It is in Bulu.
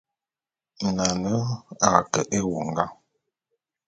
Nane a ke éwongá.